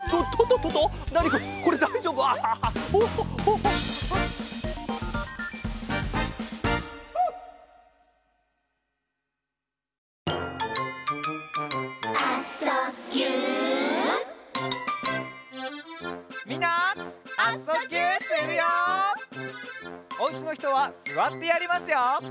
おうちのひとはすわってやりますよ。